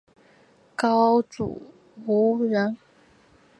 高阇羌人。